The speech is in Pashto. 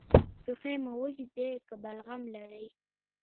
ټوخی مو وچ دی که بلغم لري؟